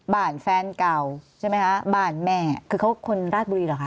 แฟนเก่าใช่ไหมคะบ้านแม่คือเขาคนราชบุรีเหรอคะ